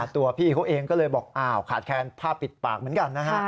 ตัวพี่เขาเองก็เลยบอกอ้าวขาดแคลนผ้าปิดปากเหมือนกันนะฮะ